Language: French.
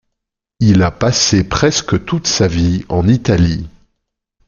Il a passé presque toute sa vie en Italie.